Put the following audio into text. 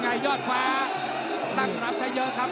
ทั้งหลักฉะชะเยอะครับ